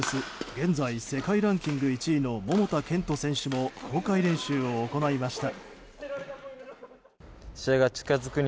現在、世界ランキング１位の桃田賢斗選手も公開練習を行いました。